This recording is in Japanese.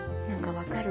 分かる！